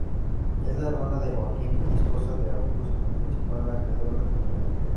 Es la hermana de Joaquim y esposa de Augusto, principal acreedor del cuñado.